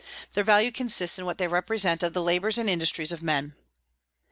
Their value consists in what they represent of the labors and industries of men.